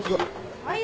はい。